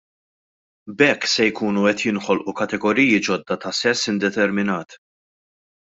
B'hekk se jkunu qed jinħolqu kategoriji ġodda ta' sess indeterminat.